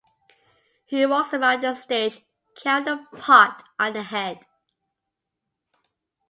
He walks around the stage carrying the pot on the head.